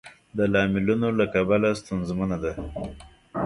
د لاملونو له کبله ستونزمنه ده.